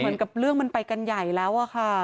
เหมือนกับเรื่องมันไปกันใหญ่แล้วอะค่ะ